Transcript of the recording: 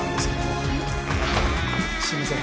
すみません。